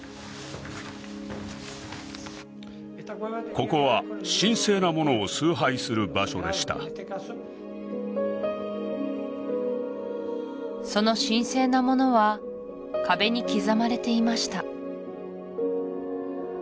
ここは神聖なものを崇拝する場所でしたその神聖なものは壁に刻まれていました